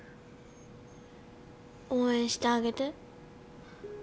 応援してあげて。